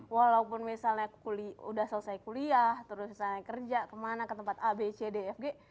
walaupun misalnya udah selesai kuliah terus selesai kerja kemana ke tempat a b c d f g